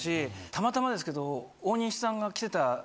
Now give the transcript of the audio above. たまたまですけど。